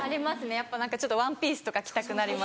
やっぱちょっとワンピースとか着たくなります。